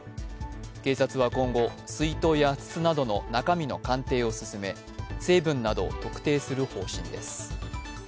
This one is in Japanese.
警察は今後、水筒や筒などの中身の鑑定を進め成分などを特定する方針です。